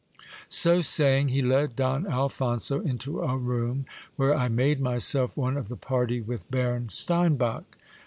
So saying, he led Don Alphonso into a room where I made myself one of the party with Baron Steinbach.